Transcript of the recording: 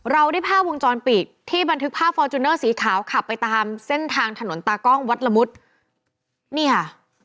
เราได้ภาพวงจรปิดที่บันทึกภาพฟอร์จูเนอร์สีขาวขับไปตามเส้นทางถนนตากล้องวัดละมุดนี่ค่ะ